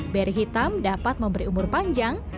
beri hitam dapat memberi umur panjang